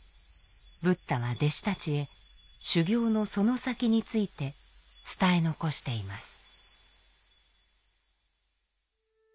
ブッダは弟子たちへ修行のその先について伝え残しています。